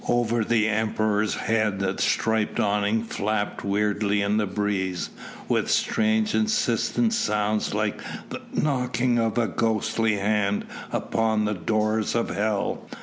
Over the Emperor's head the striped awning flapped weirdly in the breeze, with strange insistent sound like the knocking of a ghostly hand upon the doors of hell.